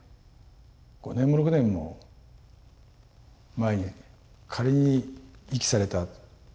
５年も６年も前に仮に遺棄されたとしてですよ